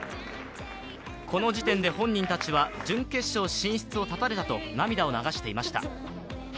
この時点で本人たちは準決勝進出を絶たれたと涙を流していました。